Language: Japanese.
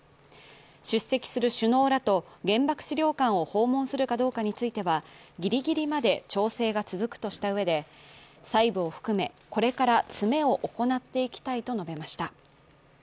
出席する首脳らと原爆資料館を訪問するかどうかについてはギリギリまで調整が続くとしたうえで、細部を含め、これから詰めを行っていきたいと述べました。